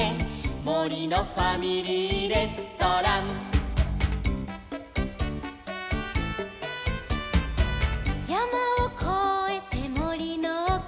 「もりのファミリーレストラン」「やまをこえてもりのおく」